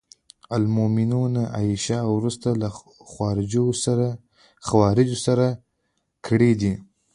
ام المومنین عایشې او وروسته له خوارجو سره کړي دي.